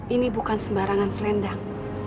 ini bukan sembarangan selendang